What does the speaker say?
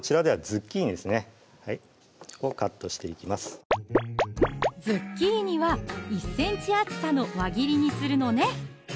ズッキーニは１ｃｍ厚さの輪切りにするのね